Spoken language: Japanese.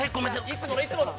いつものいつもの。